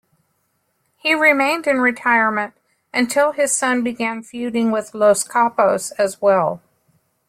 He remained in retirement until his son began feuding with Los Capos as well.